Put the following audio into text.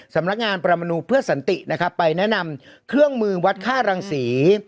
สำนักงานประมนูเพื่อสันตินะครับไปแนะนำเครื่องมือวัดค่ารังศรี